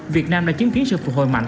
việt nam đã chứng kiến sự phục hồi mạnh